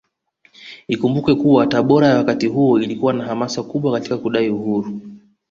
Ikumbukwe kuwa Tabora ya wakati huo ilikuwa na hamasa kubwa Katika kudai Uhuru